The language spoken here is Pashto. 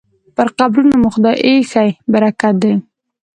پر قبرونو مو خدای ایښی برکت دی